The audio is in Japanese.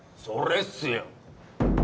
それっすよ